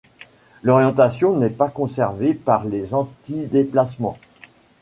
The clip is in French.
L'orientation n'est pas conservée par les antidéplacements.